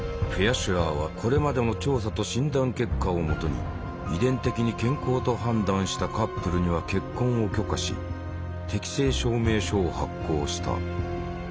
シュアーはこれまでの調査と診断結果を基に遺伝的に健康と判断したカップルには結婚を許可し適性証明書を発行した。